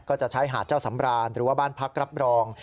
ก็จะใช้หาดเจ้าสำรานหรือว่าบ้านพักรับรอง